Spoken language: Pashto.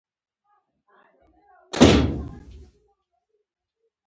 په میلمهپالنه کښېنه، مهرباني وکړه.